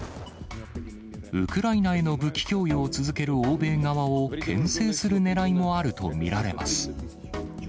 ウクライナへの武器供与を続ける欧米側をけん制するねらいもあると見られます。